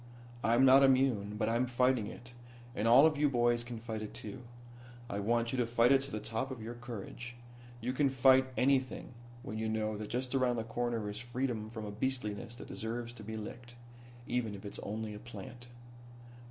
"I'm not immune, but I'm fighting it, and all of you boys can fight it too. I want you to fight it to the top of your courage. You can fight anything when you know that just around the corner is freedom from a beastliness that deserves to be licked even if it's only a plant.